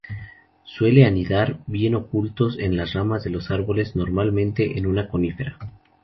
Suele anidar, bien ocultos, en la ramas de los árboles, normalmente en una conífera.